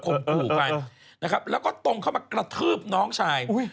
ขุมหูกันนะครับแล้วก็ตรงเข้ามากระทืบน้องชายอุ้ย